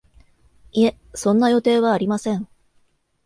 いえ、そんな予定はありません